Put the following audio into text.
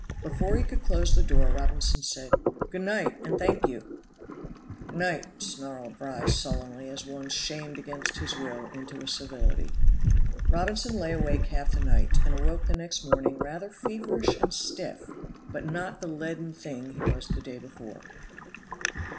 Before he could close the door Robinson said, "Good night and thank you." "G'night," snarled Fry sullenly, as one shamed against his will into a civility. Robinson lay awake half the night, and awoke the next morning rather feverish and stiff, but not the leaden thing he was the day before.